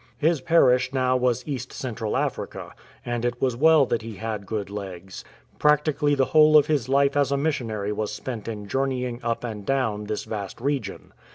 '" His parish now was East Central Africa ; and it was well that he had good legs. Practically the whole of his life as a missionary was spent in journeying up and down this vast region.